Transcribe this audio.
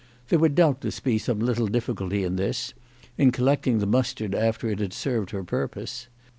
There would doubtless be some little difficulty in this, in collecting the mustard after it had served her purpose.